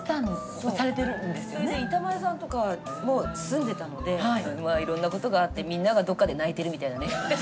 それで板前さんとかも住んでたのでいろんなことがあってみんながどっかで泣いてるみたいなね。